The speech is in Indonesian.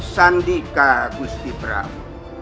sandika gusti brahm